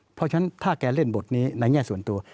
เพราะฉะนั้นถ้าแกเล่นบทนี้ในแง่ส่วนตัว